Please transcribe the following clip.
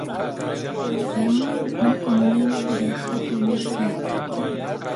فەرمووی: من ئوممیم بێ خەت و نووسین